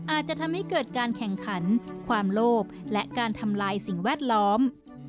อาจจะทำให้เกิดการแข่งขันความโลภและการทำลายสิ่งแวดล้อม